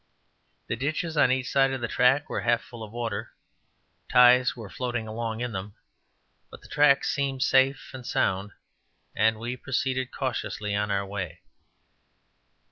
The ditches on each side of the track were half full of water, ties were floating along in them, but the track seemed safe and sound, and we proceeded cautiously on our way.